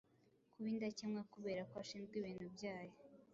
kuba indakemwa, kubera ko ashinzwe ibintu byayo!